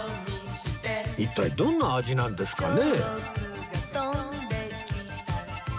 一体どんな味なんですかね？